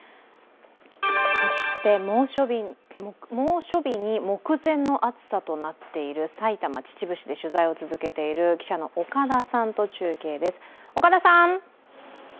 そして猛暑日に目前の暑さとなっている埼玉・秩父市で取材を続けている記者の岡田さんと中継です。